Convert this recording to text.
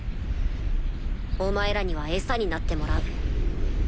お前らには餌になってもらう。